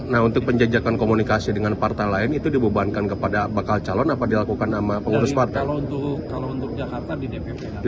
nah untuk penjajakan komunikasi dengan partai lain itu dibebankan kepada bakal calon apa dilakukan sama pengurus partai di dpp